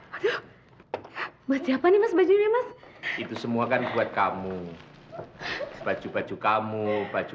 aduh baca panjang mas baju ini mas itu semua kan buat kamu baju baju kamu baju